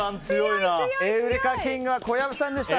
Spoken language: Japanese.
エウレカキングは小籔さんでした。